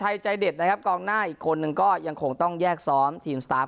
ยังคงต้องยากซ้อม